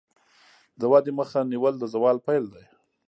د ودې مخه نیول د زوال پیل دی.